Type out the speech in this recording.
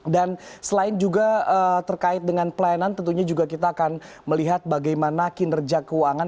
dan selain juga terkait dengan pelayanan tentunya juga kita akan melihat bagaimana kinerja keuangan